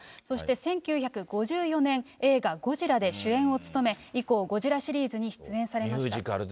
そして１９５４年、映画、ゴジラで主演を務め、以降ゴジラシリーズに出演されました。